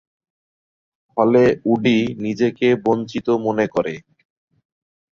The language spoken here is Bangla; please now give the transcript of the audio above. ফলে উডি নিজেকে বঞ্চিত মনে করে।